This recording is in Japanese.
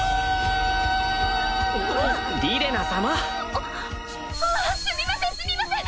あっすみませんすみません。